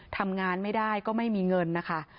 ทำงานไม่ได้ก็ไม่มีเงินนะคะ